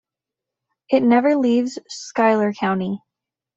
It never leaves Schuyler County.